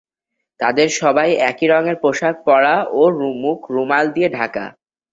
তাদের সবাই একই রঙের পোশাক পরা ও মুখ রুমাল দিয়ে ঢাকা।